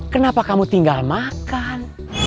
kenapa kamu tinggal makan